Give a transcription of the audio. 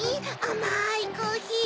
あまいコーヒー。